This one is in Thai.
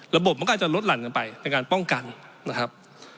มันก็อาจจะลดหลั่นกันไปในการป้องกันนะครับ